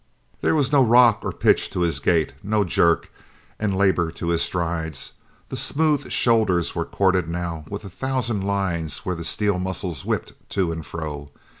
There was no rock and pitch to his gait, no jerk and labour to his strides. Those smooth shoulders were corded now with a thousand lines where the steel muscles whipped to and fro.